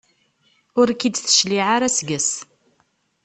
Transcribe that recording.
Ur k-id-tecliɛ ara seg-s.